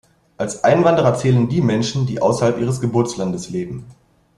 Als Einwanderer zählen die Menschen, die außerhalb ihres Geburtslandes leben.